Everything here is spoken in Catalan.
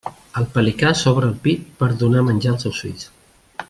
El pelicà s'obre el pit per a donar menjar als seus fills.